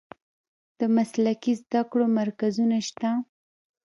د مسلکي زده کړو مرکزونه شته؟